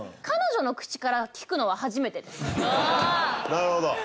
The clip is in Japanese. なるほど。